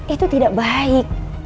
itu tidak baik